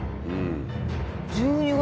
１２月？